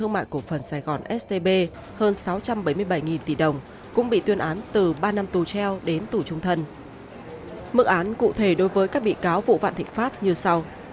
mức án cụ thể đối với các bị cáo vụ vạn thị pháp như sau